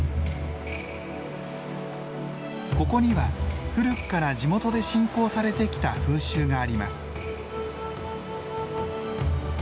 ここには古くから地元で信仰されてきた風習があります。